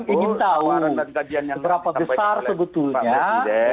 kan ingin tahu seberapa besar sebetulnya